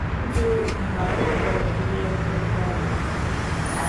শুধু ভান কর তুমি একজন দারোয়ান।